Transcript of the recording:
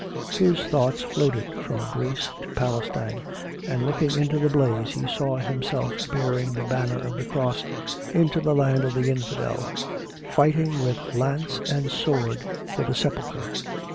His thoughts floated from Greece to Palestine, and looking into the blaze he saw himself bearing the banner of the Cross into the land of the infidel, fighting with lance and sword for the Sepulchre.